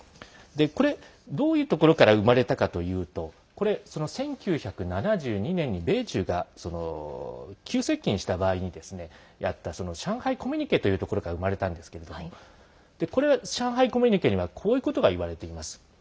これ、どういうところから生まれたかというと１９７２年に米中が急接近した場合にやった上海コミュニケというところから生まれたんですけれどもこの上海コミュニケにはこういうことが言われています。